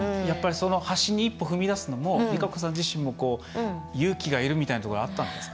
発信に一歩踏み出すのもＲＩＫＡＣＯさん自身も勇気がいるみたいなところはあったんですか？